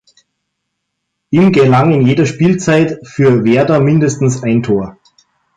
Ihm gelang in jeder Spielzeit für Werder mindestens ein Tor.